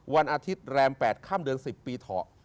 วันอาทิตย์แรม๘ค่ำเดือน๑๐ปีเถาะ